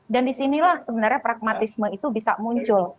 dan disinilah sebenarnya pragmatisme itu bisa muncul